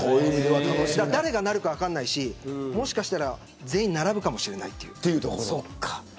誰がなるか分からないしもしかしたら全員並ぶかもしれないです。